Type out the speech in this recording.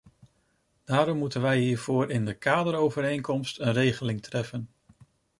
Daarom moeten wij hiervoor in de kaderovereenkomst een regeling treffen.